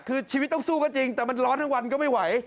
คือชีวิตต้องสู้ก็จริงแต่มันร้อนทั้งวันก็ไม่ไหว